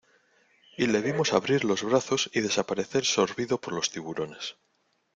y le vimos abrir los brazos y desaparecer sorbido por los tiburones.